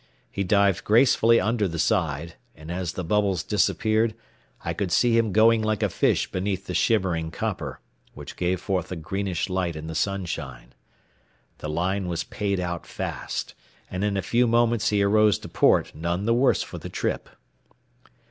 He dived gracefully under the side, and as the bubbles disappeared I could see him going like a fish beneath the shimmering copper, which gave forth a greenish light in the sunshine. The line was payed out fast, and in a few moments he arose to port none the worse for the trip.